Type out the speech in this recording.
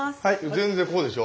全然こうでしょ？